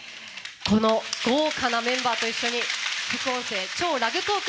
豪華なメンバーと一緒に副音声、「超ラグトーク！」